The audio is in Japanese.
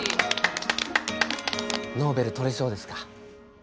ノーベル取れそうですか。